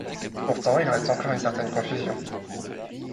Pourtant il reste encore une certaine confusion.